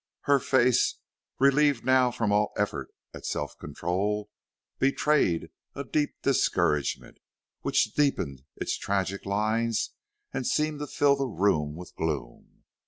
Her face, relieved now from all effort at self control, betrayed a deep discouragement, which deepened its tragic lines and seemed to fill the room with gloom.